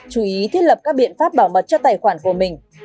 chú ý thiết lập các biện pháp bảo mật cho tài khoản của mình